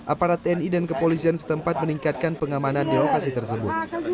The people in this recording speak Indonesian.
aparat tni dan kepolisian setempat meningkatkan pengamanan di lokasi tersebut